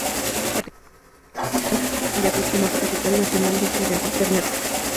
Esta particularidad le han conferido a Ayacucho el mote de "Capital Nacional del Ternero".